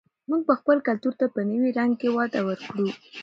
موږ به خپل کلتور ته په نوي رنګ کې وده ورکړو.